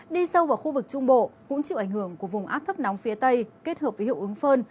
đi sâu vào khu vực trung bộ cũng chịu ảnh hưởng của vùng áp thấp nóng phía tây kết hợp với hiệu ứng phơn